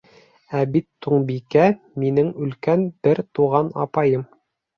Ә бит Туңбикә минең өлкән бер туған апайым.